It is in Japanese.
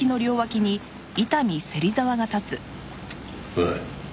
おい。